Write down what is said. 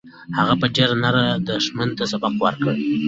هغه په ډېرې نره دښمن ته سبق ورکړ.